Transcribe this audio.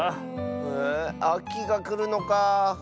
へえあきがくるのかあ。